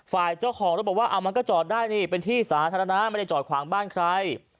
ฝ่ายเจ้าของรถบอกว่ามันก็จอดได้นี่เป็นที่สาธารณะไม่ได้จอดขวางบ้านใคร